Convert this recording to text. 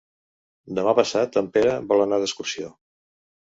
Demà passat en Pere vol anar d'excursió.